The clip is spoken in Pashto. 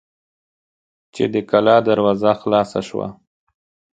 چې د کلا دروازه خلاصه شوه.